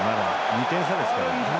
２点差ですから。